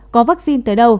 có vaccine tới đâu